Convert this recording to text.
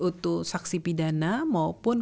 untuk saksi pidana maupun